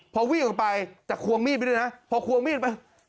พอวิ่งออกไปแต่ควงมีดไปด้วยนะพอควงมีดไป